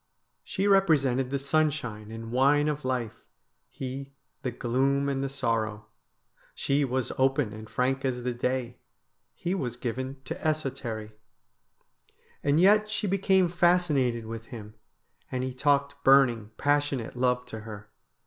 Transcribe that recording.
She represented the sunshine and wine of life, he the gloom and the sorrow. She was open and frank as the day, he was given to esotery. And yet she became fascinated with him, and he talked burning, passionate love to her.